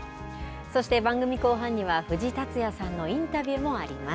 そして番組後半には、藤竜也さんのインタビューもあります。